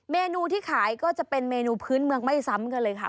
เมนูที่ขายก็จะเป็นเมนูพื้นเมืองไม่ซ้ำกันเลยค่ะ